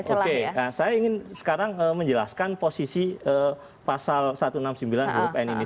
oke saya ingin sekarang menjelaskan posisi pasal satu ratus enam puluh sembilan huruf n ini